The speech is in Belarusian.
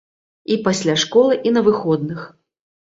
І пасля школы, і на выходных.